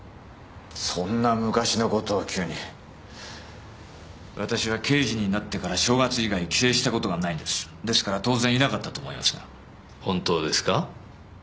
そんな昔のことを急に私は刑事になってから正月以外帰省したことがないんですですから当然いなかったと思いますが本当ですか？